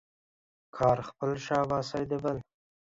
کار خپل ، شاباسي د بل.